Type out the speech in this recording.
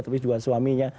tapi dua suaminya